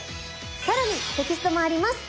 更にテキストもあります！